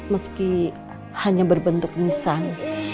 meski hanya berbentuk nisan